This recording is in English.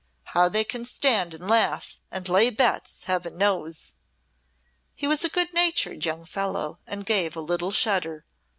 How they can stand and laugh, and lay bets, Heaven knows!" He was a good natured young fellow and gave a little shudder.